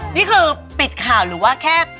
นี่คือปิดข่าวหรือว่าแค่